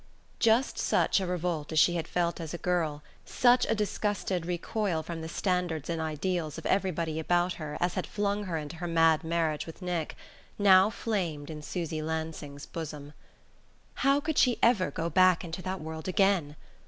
JUST such a revolt as she had felt as a girl, such a disgusted recoil from the standards and ideals of everybody about her as had flung her into her mad marriage with Nick, now flamed in Susy Lansing's bosom. How could she ever go back into that world again?